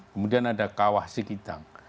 kemudian ada kawah sikitang